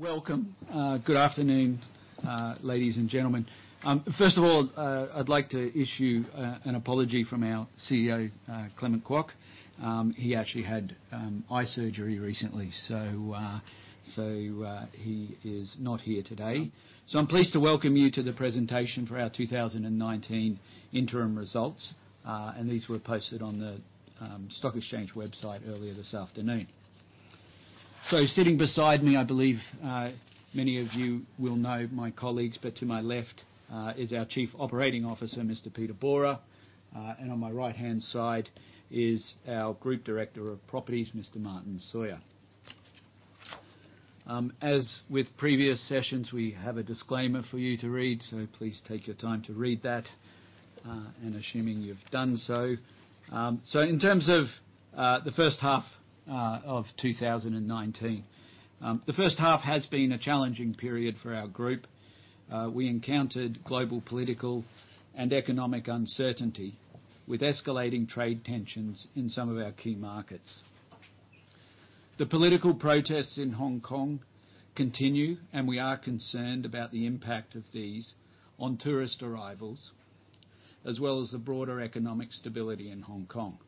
Welcome. Good afternoon, ladies and gentlemen. First of all, I'd like to issue an apology from our CEO, Clement Kwok. He actually had eye surgery recently. He is not here today. I'm pleased to welcome you to the presentation for our 2019 interim results, and these were posted on the stock exchange website earlier this afternoon. Sitting beside me, I believe many of you will know my colleagues, but to my left is our Chief Operating Officer, Mr. Peter Borer, and on my right-hand side is our Group Director of Properties, Mr. Martyn Sawyer. As with previous sessions, we have a disclaimer for you to read, so please take your time to read that, and assuming you've done so. In terms of the first half of 2019. The first half has been a challenging period for our group. We encountered global political and economic uncertainty with escalating trade tensions in some of our key markets. The political protests in Hong Kong continue, and we are concerned about the impact of these on tourist arrivals, as well as the broader economic stability in Hong Kong.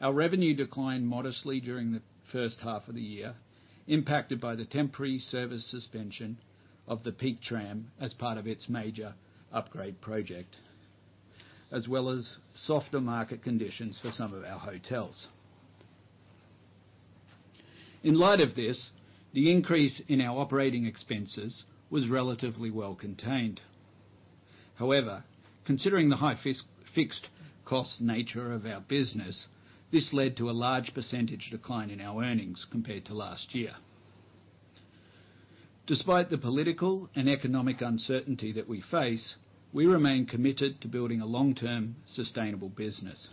Our revenue declined modestly during the first half of the year, impacted by the temporary service suspension of the Peak Tram as part of its major upgrade project, as well as softer market conditions for some of our hotels. In light of this, the increase in our operating expenses was relatively well-contained. However, considering the high fixed cost nature of our business, this led to a large percentage decline in our earnings compared to last year. Despite the political and economic uncertainty that we face, we remain committed to building a long-term sustainable business.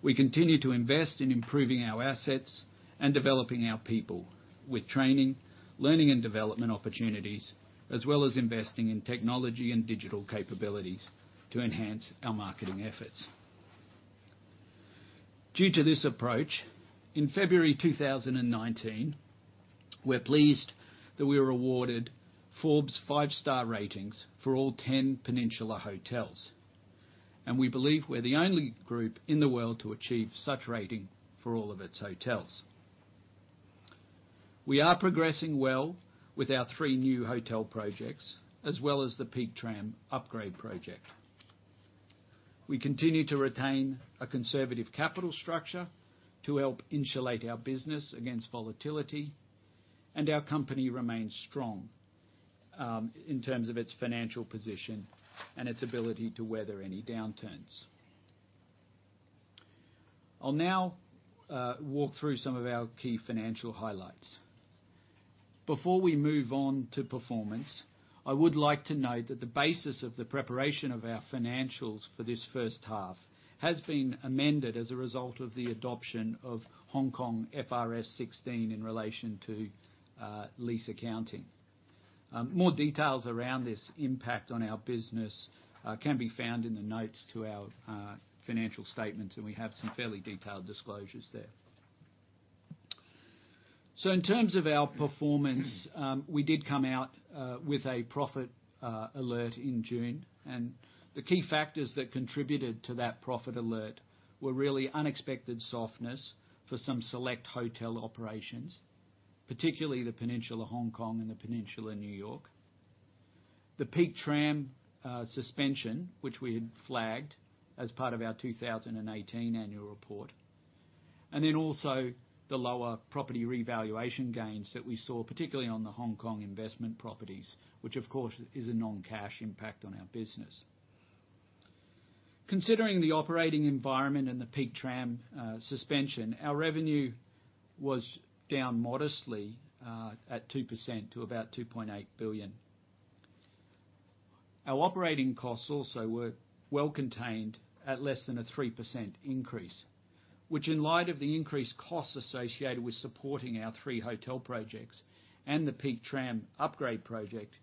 We continue to invest in improving our assets and developing our people with training, learning, and development opportunities, as well as investing in technology and digital capabilities to enhance our marketing efforts. Due to this approach, in February 2019, we're pleased that we were awarded Forbes five-star ratings for all 10 Peninsula hotels, and we believe we're the only group in the world to achieve such rating for all of its hotels. We are progressing well with our three new hotel projects, as well as the Peak Tram upgrade project. We continue to retain a conservative capital structure to help insulate our business against volatility, and our company remains strong in terms of its financial position and its ability to weather any downturns. I'll now walk through some of our key financial highlights. Before we move on to performance, I would like to note that the basis of the preparation of our financials for this first half has been amended as a result of the adoption of HKFRS 16 in relation to lease accounting. More details around this impact on our business can be found in the notes to our financial statements, we have some fairly detailed disclosures there. In terms of our performance, we did come out with a profit alert in June. The key factors that contributed to that profit alert were really unexpected softness for some select hotel operations, particularly The Peninsula Hong Kong and The Peninsula New York. The Peak Tram suspension, which we had flagged as part of our 2018 annual report. Also the lower property revaluation gains that we saw, particularly on the Hong Kong investment properties, which of course, is a non-cash impact on our business. Considering the operating environment and the Peak Tram suspension, our revenue was down modestly at 2% to about 2.8 billion. Our operating costs also were well-contained at less than a 3% increase, which in light of the increased costs associated with supporting our three hotel projects and the Peak Tram upgrade project,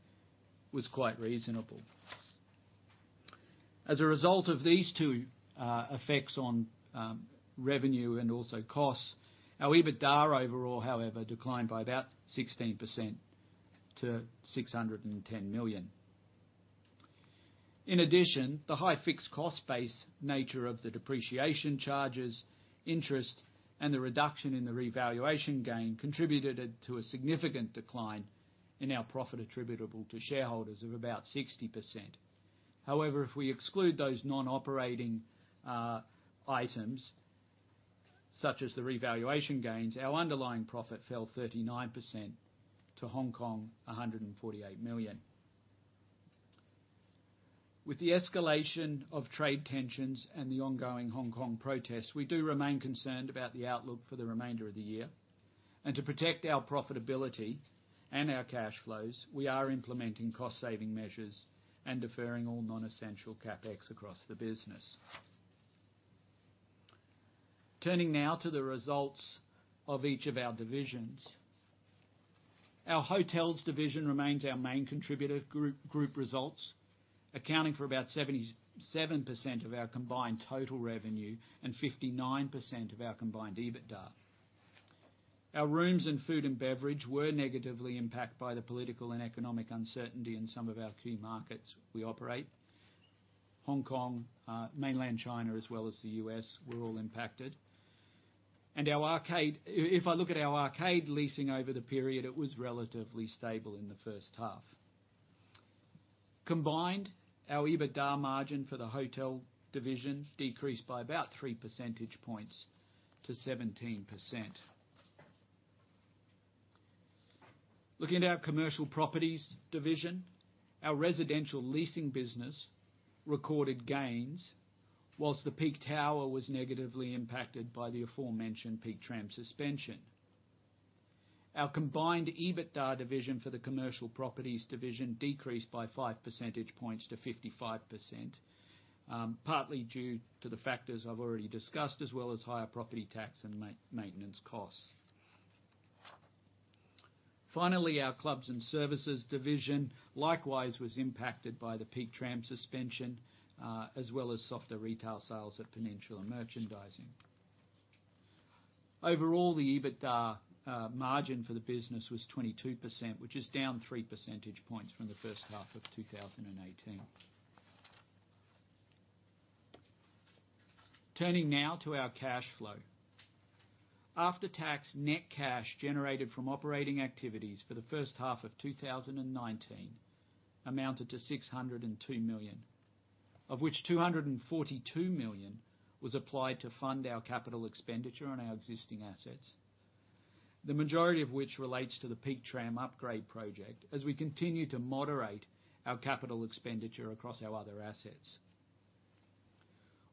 was quite reasonable. As a result of these two effects on revenue and also costs, our EBITDA overall, however, declined by about 16% to 610 million. In addition, the high fixed cost base nature of the depreciation charges, interest, and the reduction in the revaluation gain contributed to a significant decline in our profit attributable to shareholders of about 60%. However, if we exclude those non-operating items, such as the revaluation gains, our underlying profit fell 39% to 148 million. With the escalation of trade tensions and the ongoing Hong Kong protests, we do remain concerned about the outlook for the remainder of the year. To protect our profitability and our cash flows, we are implementing cost-saving measures and deferring all non-essential CapEx across the business. Turning now to the results of each of our divisions. Our hotels division remains our main contributor group results, accounting for about 77% of our combined total revenue and 59% of our combined EBITDA. Our rooms and food and beverage were negatively impacted by the political and economic uncertainty in some of our key markets we operate. Hong Kong, Mainland China, as well as the U.S., were all impacted. If I look at our arcade leasing over the period, it was relatively stable in the first half. Combined, our EBITDA margin for the hotel division decreased by about three percentage points to 17%. Looking at our commercial properties division, our residential leasing business recorded gains, while the Peak Tower was negatively impacted by the aforementioned Peak Tram suspension. Our combined EBITDA division for the commercial properties division decreased by five percentage points to 55%, partly due to the factors I've already discussed, as well as higher property tax and maintenance costs. Finally, our clubs and services division, likewise, was impacted by the Peak Tram suspension, as well as softer retail sales at Peninsula Merchandising. Overall, the EBITDA margin for the business was 22%, which is down three percentage points from the first half of 2018. Turning now to our cash flow. After-tax net cash generated from operating activities for the first half of 2019 amounted to 602 million, of which 242 million was applied to fund our capital expenditure on our existing assets, the majority of which relates to the Peak Tram upgrade project as we continue to moderate our capital expenditure across our other assets.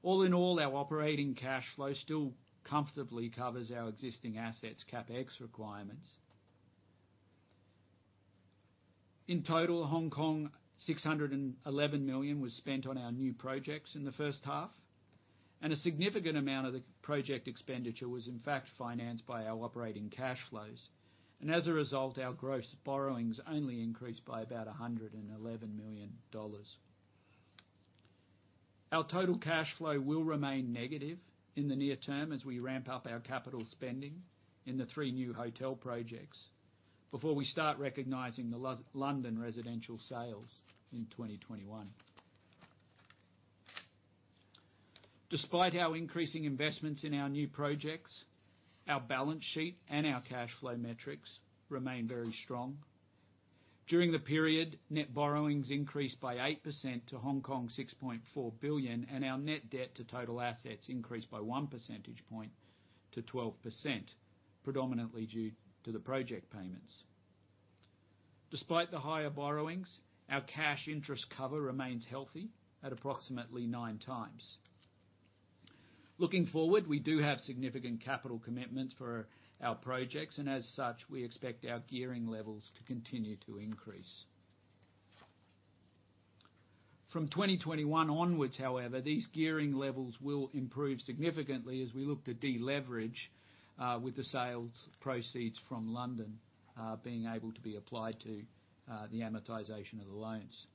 All in all, our operating cash flow still comfortably covers our existing assets' CapEx requirements. In total, 611 million was spent on our new projects in the first half. A significant amount of the project expenditure was in fact financed by our operating cash flows. As a result, our gross borrowings only increased by about 111 million dollars. Our total cash flow will remain negative in the near term as we ramp up our capital spending in the three new hotel projects before we start recognizing the London residential sales in 2021. Despite our increasing investments in our new projects, our balance sheet and our cash flow metrics remain very strong. During the period, net borrowings increased by 8% to 6.4 billion, and our net debt to total assets increased by one percentage point to 12%, predominantly due to the project payments. Despite the higher borrowings, our cash interest cover remains healthy at approximately nine times. Looking forward, we do have significant capital commitments for our projects, and as such, we expect our gearing levels to continue to increase. From 2021 onwards, however, these gearing levels will improve significantly as we look to deleverage with the sales proceeds from London being able to be applied to the amortization of the loans.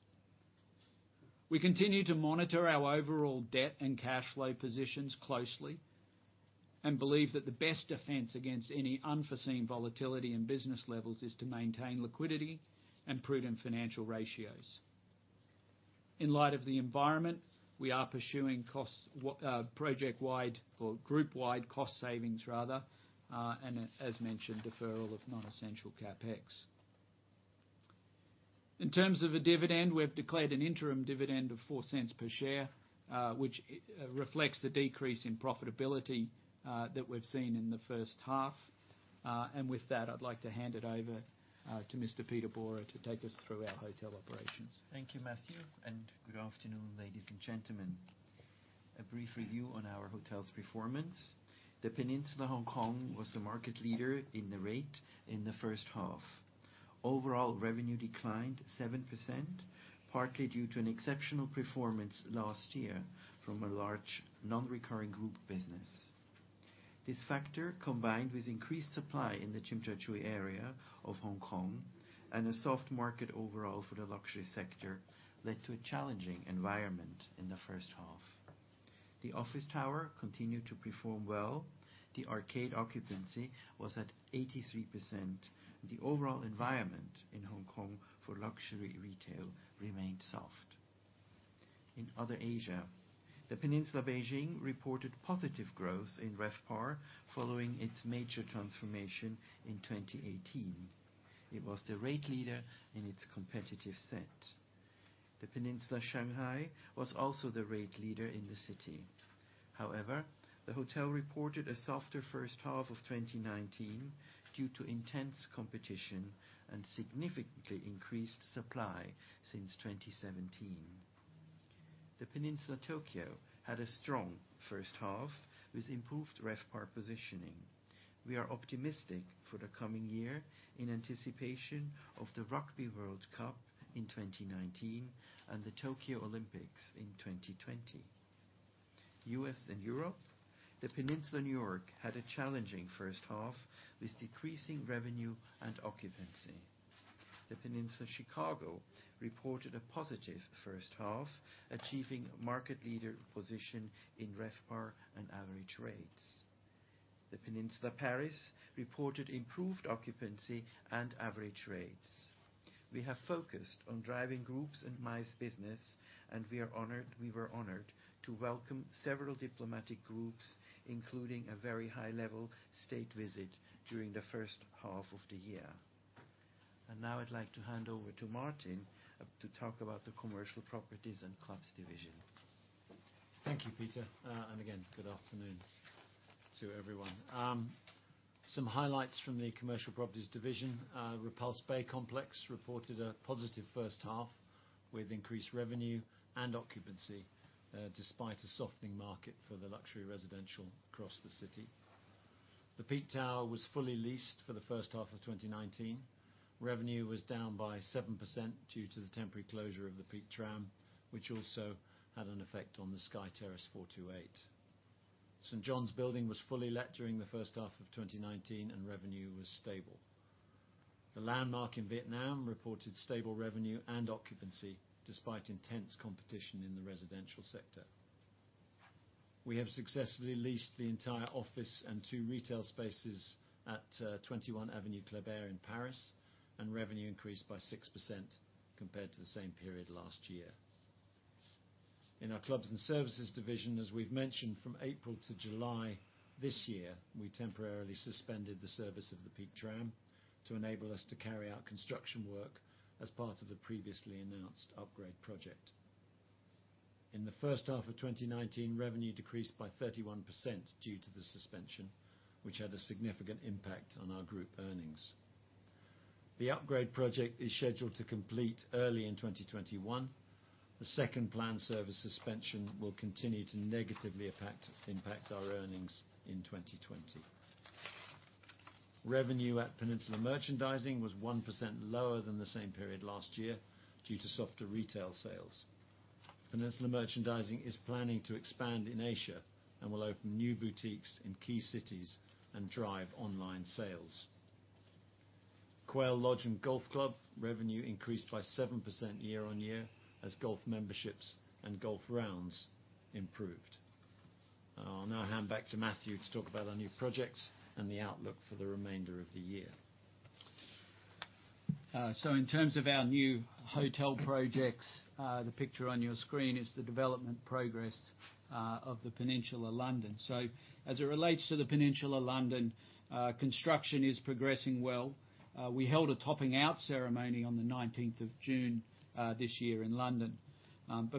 We continue to monitor our overall debt and cash flow positions closely and believe that the best defense against any unforeseen volatility in business levels is to maintain liquidity and prudent financial ratios. In light of the environment, we are pursuing project-wide or group-wide cost savings rather, and as mentioned, deferral of non-essential CapEx. In terms of a dividend, we've declared an interim dividend of 0.04 per share, which reflects the decrease in profitability that we've seen in the first half. With that, I'd like to hand it over to Mr. Peter Borer to take us through our hotel operations. Thank you, Matthew. Good afternoon, ladies and gentlemen. A brief review on our hotel's performance. The Peninsula Hong Kong was the market leader in the rate in the first half. Overall revenue declined 7%, partly due to an exceptional performance last year from a large non-recurring group business. This factor, combined with increased supply in the Tsim Sha Tsui area of Hong Kong and a soft market overall for the luxury sector, led to a challenging environment in the first half. The office tower continued to perform well. The arcade occupancy was at 83%. The overall environment in Hong Kong for luxury retail remained soft. In other Asia, The Peninsula Beijing reported positive growth in RevPAR following its major transformation in 2018. It was the rate leader in its competitive set. The Peninsula Shanghai was also the rate leader in the city. The hotel reported a softer first half of 2019 due to intense competition and significantly increased supply since 2017. The Peninsula Tokyo had a strong first half with improved RevPAR positioning. We are optimistic for the coming year in anticipation of the Rugby World Cup in 2019 and the Tokyo Olympics in 2020. U.S., and Europe. The Peninsula New York had a challenging first half with decreasing revenue and occupancy. The Peninsula Chicago reported a positive first half, achieving market leader position in RevPAR and average rates. The Peninsula Paris reported improved occupancy and average rates. We have focused on driving groups and MICE business. We were honored to welcome several diplomatic groups, including a very high-level state visit during the first half of the year. Now I'd like to hand over to Martyn to talk about the Commercial Properties and Clubs Division. Thank you, Peter. Again, good afternoon to everyone. Some highlights from the commercial properties division. The Repulse Bay Complex reported a positive first half with increased revenue and occupancy, despite a softening market for the luxury residential across the city. The Peak Tower was fully leased for the first half of 2019. Revenue was down by 7% due to the temporary closure of the Peak Tram, which also had an effect on the Sky Terrace 428. St. John's Building was fully let during the first half of 2019, and revenue was stable. The Landmark in Vietnam reported stable revenue and occupancy, despite intense competition in the residential sector. We have successfully leased the entire office and two retail spaces at 21 Avenue Kléber in Paris, and revenue increased by 6% compared to the same period last year. In our clubs and services division, as we've mentioned, from April to July this year, we temporarily suspended the service of the Peak Tram to enable us to carry out construction work as part of the previously announced upgrade project. In the first half of 2019, revenue decreased by 31% due to the suspension, which had a significant impact on our group earnings. The upgrade project is scheduled to complete early in 2021. The second planned service suspension will continue to negatively impact our earnings in 2020. Revenue at Peninsula Merchandising was 1% lower than the same period last year due to softer retail sales. Peninsula Merchandising is planning to expand in Asia and will open new boutiques in key cities and drive online sales. Quail Lodge & Golf Club revenue increased by 7% year-on-year as golf memberships and golf rounds improved. I'll now hand back to Matthew to talk about our new projects and the outlook for the remainder of the year. In terms of our new hotel projects, the picture on your screen is the development progress of The Peninsula London. As it relates to The Peninsula London, construction is progressing well. We held a topping out ceremony on the 19th of June this year in London.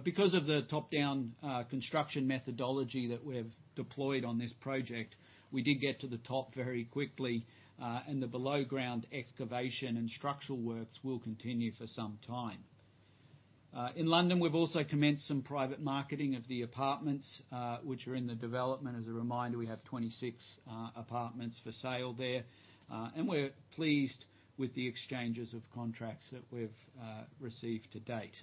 Because of the top-down construction methodology that we've deployed on this project, we did get to the top very quickly, and the below-ground excavation and structural works will continue for some time. In London, we've also commenced some private marketing of the apartments, which are in the development. As a reminder, we have 26 apartments for sale there. We're pleased with the exchanges of contracts that we've received to date.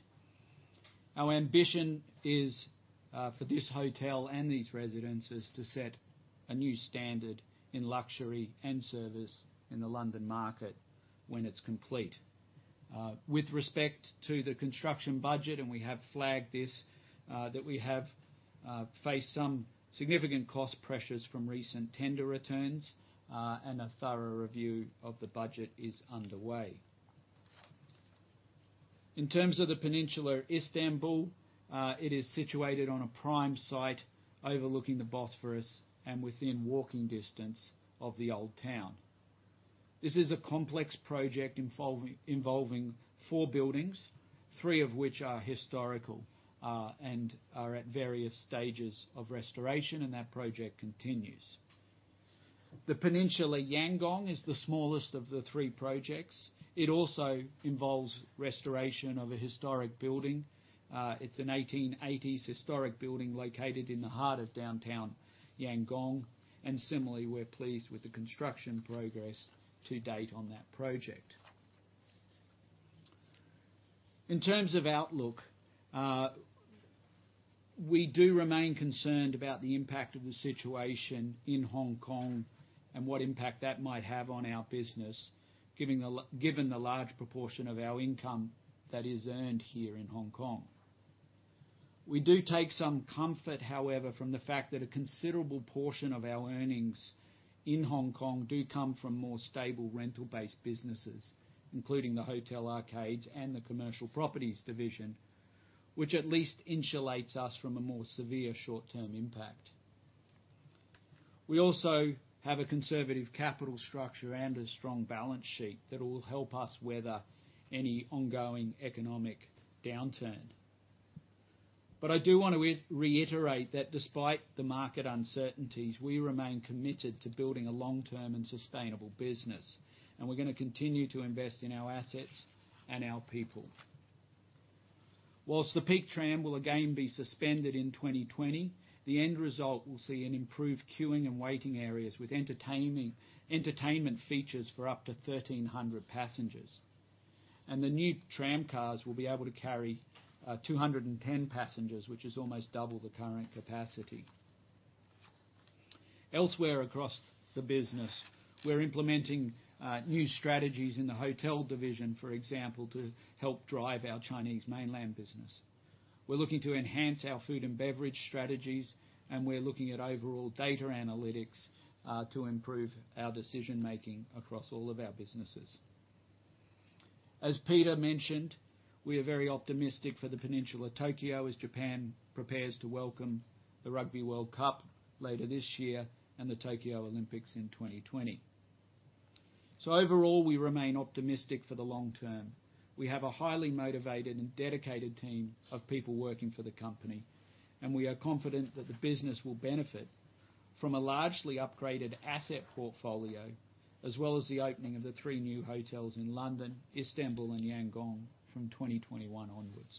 Our ambition is for this hotel and these residences to set a new standard in luxury and service in the London market when it's complete. With respect to the construction budget, and we have flagged this, that we have faced some significant cost pressures from recent tender returns, and a thorough review of the budget is underway. In terms of The Peninsula Istanbul, it is situated on a prime site overlooking the Bosphorus and within walking distance of the old town. This is a complex project involving four buildings, three of which are historical, and are at various stages of restoration, and that project continues. The Peninsula Yangon is the smallest of the three projects. It also involves restoration of a historic building. It's an 1880s historic building located in the heart of downtown Yangon. Similarly, we're pleased with the construction progress to date on that project. In terms of outlook, we do remain concerned about the impact of the situation in Hong Kong and what impact that might have on our business, given the large proportion of our income that is earned here in Hong Kong. We do take some comfort, however, from the fact that a considerable portion of our earnings in Hong Kong do come from more stable rental-based businesses, including the hotel arcades and the commercial properties division, which at least insulates us from a more severe short-term impact. We also have a conservative capital structure and a strong balance sheet that will help us weather any ongoing economic downturn. I do want to reiterate that despite the market uncertainties, we remain committed to building a long-term and sustainable business, and we're going to continue to invest in our assets and our people. Whilst the Peak Tram will again be suspended in 2020, the end result will see an improved queuing and waiting areas with entertainment features for up to 1,300 passengers. The new tramcars will be able to carry 210 passengers, which is almost double the current capacity. Elsewhere across the business, we're implementing new strategies in the hotel division, for example, to help drive our Chinese mainland business. We're looking to enhance our food and beverage strategies, and we're looking at overall data analytics to improve our decision-making across all of our businesses. Peter mentioned, we are very optimistic for the Peninsula Tokyo as Japan prepares to welcome the Rugby World Cup later this year and the Tokyo Olympics in 2020. Overall, we remain optimistic for the long term. We have a highly motivated and dedicated team of people working for the company, and we are confident that the business will benefit from a largely upgraded asset portfolio, as well as the opening of the three new hotels in London, Istanbul, and Yangon from 2021 onwards.